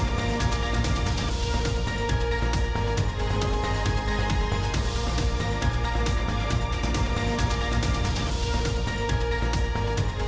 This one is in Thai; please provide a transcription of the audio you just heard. โปรดติดตามตอนต่อไป